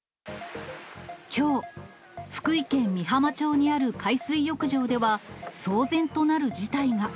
きょう、福井県美浜町にある海水浴場では、騒然となる事態が。